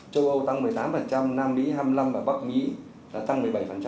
châu âu tăng một mươi tám nam lý hai mươi năm và bắc mỹ đã tăng một mươi bảy